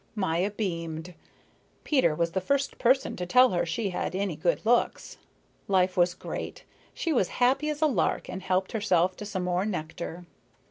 Maya beamed. Peter was the first person to tell her she had any good looks. Life was great. She was happy as a lark, and helped herself to some more nectar.